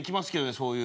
そういう。